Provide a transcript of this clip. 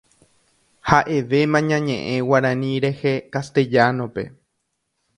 Ha'evéma ñañe'ẽ Guarani rehe Castellano-pe.